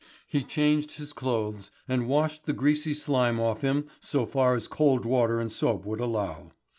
He changed his clothes and washed the greasy slime off him so far as cold water and soap would allow.